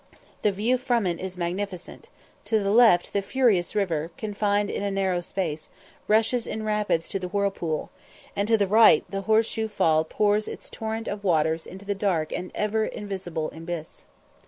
The view from it is magnificent; to the left the furious river, confined in a narrow space, rushes in rapids to the Whirlpool; and to the right the Horse shoe Fall pours its torrent of waters into the dark and ever invisible abyss.